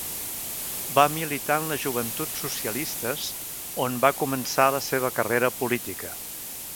Va militar en les Joventuts Socialistes, on va començar la seva carrera política.